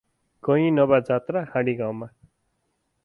कहीं नभा जात्रा हाँडीगाउमा ।